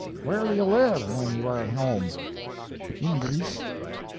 "Where do you live when you are at home?" "In Greece."